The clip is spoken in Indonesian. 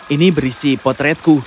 ini berisi potretku